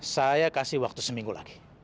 saya kasih waktu seminggu lagi